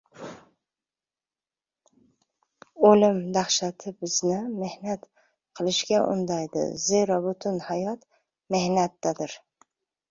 O‘lim dahshati bizni mehnat qilishga undaydi, zero butun hayot mehnatdadir.